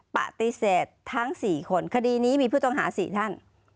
ปฏิเสธทั้ง๔คนคดีนี้มีผู้ต้องหา๔ท่าน